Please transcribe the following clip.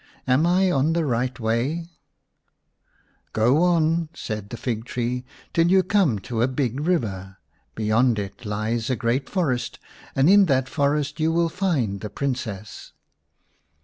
Am I on the right wayjx^ " Go on," said the fig tree, " till you come to 39 The Shining Princess iv a big river. Beyond it lies a great forest, and in that forest you will find the Princess."